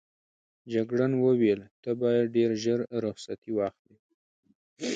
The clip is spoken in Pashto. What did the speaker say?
جګړن وویل ته باید ډېر ژر رخصتي واخلې.